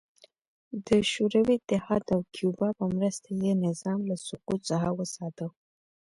د شوروي اتحاد او کیوبا په مرسته یې نظام له سقوط څخه وساته.